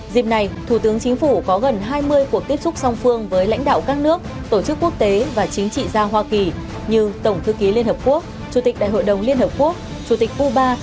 dịp này thủ tướng chính phủ có gần hai mươi cuộc tiếp xúc song phương với lãnh đạo các nước tổ chức quốc tế và chính trị gia hoa kỳ như tổng thư ký liên hợp quốc chủ tịch đại hội đồng liên hợp quốc chủ tịch cuba